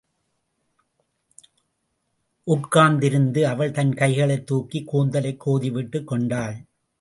உட்கார்ந்திருந்த அவள் தன் கைகளைத் தூக்கிக் கூந்தலைக் கோதிவிட்டுக் கொண்டாள்.